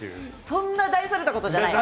そんな大それたことじゃないです。